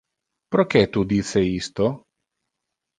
Proque tu dice isto?